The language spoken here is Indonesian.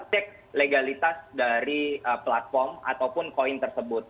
cek legalitas dari platform ataupun koin tersebut